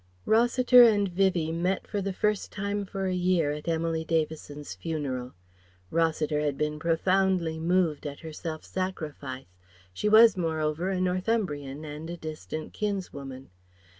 Rossiter and Vivie met for the first time for a year at Emily Davison's funeral. Rossiter had been profoundly moved at her self sacrifice; she was moreover a Northumbrian and a distant kinswoman.